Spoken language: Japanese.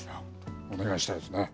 お願いしたいですね。